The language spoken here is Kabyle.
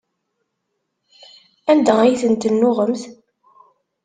Anda ay ten-tennuɣemt?